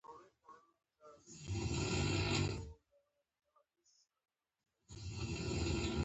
دا خوب ده.